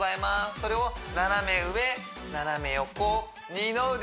それを斜め上斜め横二の腕